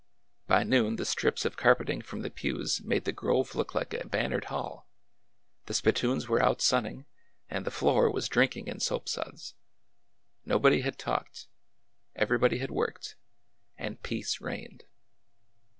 By noon the strips of carpet ing from the pews made the grove look like a bannered hall, the spittoons were out sunning, and the floor was drinking in soap suds. Nobody had talked. Everybody had worked. And peace reigned.